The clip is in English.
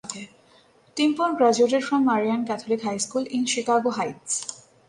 Timpone graduated from Marian Catholic High School in Chicago Heights.